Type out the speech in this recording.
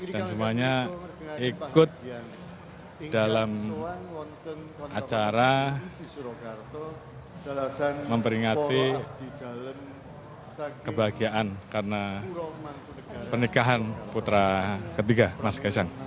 dan semuanya ikut dalam acara memperingati kebahagiaan karena pernikahan putra ketiga mas kaisang